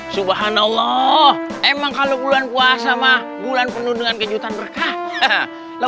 subhanallah emang kalau bulan puasa mah bulan penuh dengan kejutan berkah